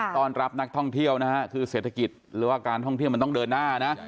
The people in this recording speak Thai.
ต้อนรับนักท่องเที่ยวนะฮะคือเศรษฐกิจหรือว่าการท่องเที่ยวมันต้องเดินหน้านะ